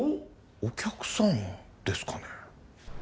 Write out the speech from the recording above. お客さんですかね？